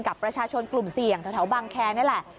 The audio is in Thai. กับประชาชนกลุ่มเสี่ยงแถวบางแคร์นี่แหละ